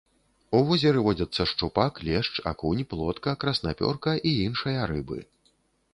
У возеры водзяцца шчупак, лешч, акунь, плотка, краснапёрка і іншыя рыбы.